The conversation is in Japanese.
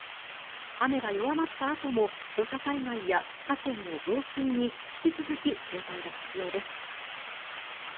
雨が弱まったあとも土砂災害や河川の増水に引き続き警戒が必要です。